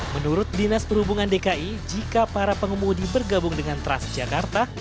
menurut dinas perhubungan dki jika para pengumudi bergabung dengan trans jakarta